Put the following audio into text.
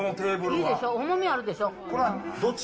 いいでしょ、重みあるでしょ？